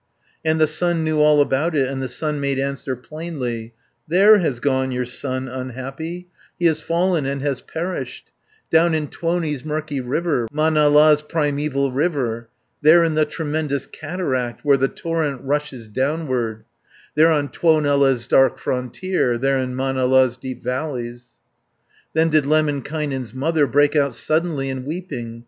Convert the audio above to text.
And the sun knew all about it, And the sun made answer plainly: "There has gone your son unhappy, He has fallen and has perished, Down in Tuoni's murky river, Manala's primeval river, 190 There in the tremendous cataract, Where the torrent rushes downward, There on Tuonela's dark frontier, There in Manala's deep valleys." Then did Lemminkainen's mother, Break out suddenly in weeping.